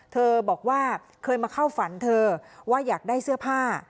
เธอบอกว่าเคยมาเข้าฝันเธอว่าอยากได้เสื้อผ้า